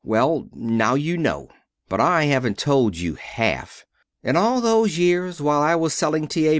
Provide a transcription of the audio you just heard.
"Well, now you know. But I haven't told you half. In all those years while I was selling T. A.